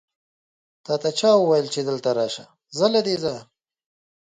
تاته چا وويل چې دلته راشه؟ ځه له دې ځايه!